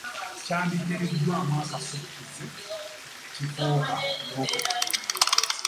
Kyanditeereddwamu akasukkize ne kifuuka n’okutunda.